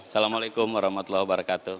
assalamualaikum warahmatullahi wabarakatuh